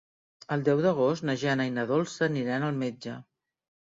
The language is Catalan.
El deu d'agost na Jana i na Dolça aniran al metge.